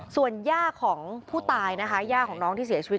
ส่วนย่าของผู้ตายนะคะย่าของน้องที่เสียชีวิต